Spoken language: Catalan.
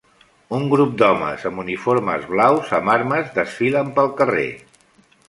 Un grup d'homes amb uniformes blaus amb armes desfilen pel carrer.